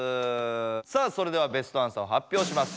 さあそれではベストアンサーを発表します。